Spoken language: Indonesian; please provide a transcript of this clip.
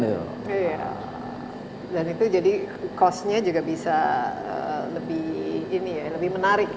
iya dan itu jadi cost nya juga bisa lebih ini ya lebih menarik